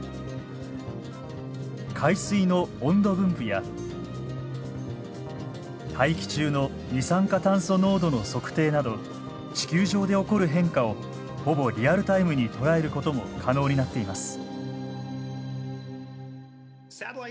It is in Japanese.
海水の温度分布や大気中の二酸化炭素濃度の測定など地球上で起こる変化をほぼリアルタイムに捉えることも可能になっています。